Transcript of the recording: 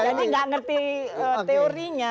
jadi gak ngerti teorinya